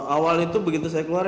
awal itu begitu saya keluar